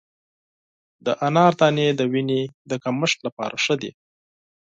د انار دانې د وینې د کمښت لپاره ښه دي.